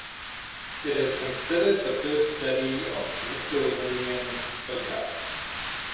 It is considered the first study of Lithuanian folk art.